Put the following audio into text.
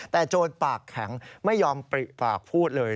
แต่โจรปากแข็งไม่ยอมปริปากพูดเลย